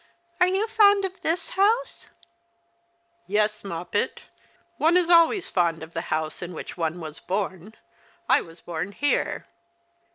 Are you fond of this house ?"" Yes, Moppet ; one is always fond of the house in which one was born. I was born here."